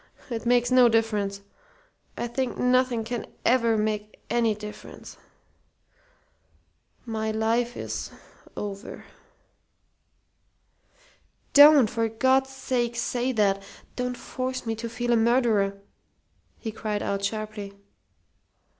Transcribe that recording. It makes no difference. I think nothing can ever make any difference. My life is over." "Don't, for God's sake, say that! Don't force me to feel a murderer!" he cried out, sharply.